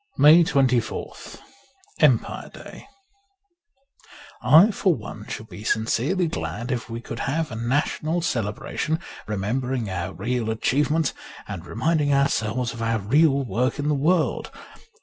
157 MAY 24th EMPIRE DAY IFOR one should be sincerely glad if we could have a national celebration, remembering our real achievements and reminding ourselves of our real work in the world.